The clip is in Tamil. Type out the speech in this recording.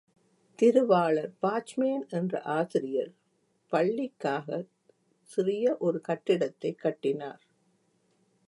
திருவாளர் பாச்மேன் என்ற ஆசிரியர் பள்ளிக்காகச் சிறிய ஒரு கட்டிடத்தைக் கட்டினார்.